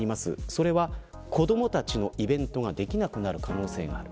それは子どもたちのイベントができなくなる可能性がある。